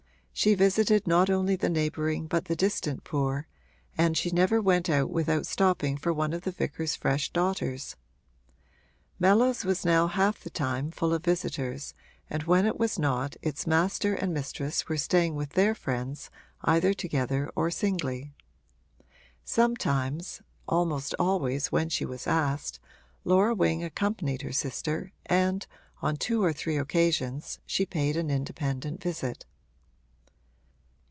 She visited not only the neighbouring but the distant poor, and she never went out without stopping for one of the vicar's fresh daughters. Mellows was now half the time full of visitors and when it was not its master and mistress were staying with their friends either together or singly. Sometimes (almost always when she was asked) Laura Wing accompanied her sister and on two or three occasions she paid an independent visit.